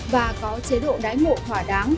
và có chế độ đái ngộ thỏa đáng